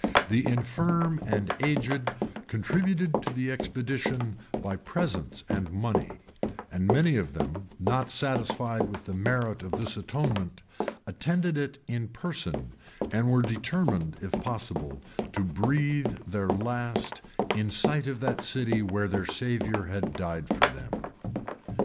[] The infirm and aged contributed to the expedition by presents and money; and many of them, not satisfied with the merit of this atonement, attended it in person, and were determined, if possible, to breathe their last in sight of that city where their Savior had died for them.